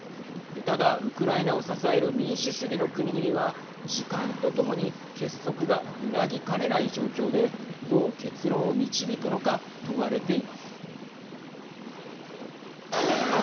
ただ、ウクライナを支える民主主義の国々は時間とともに結束が揺らぎかねない状況でどう結論を導くのか問われています。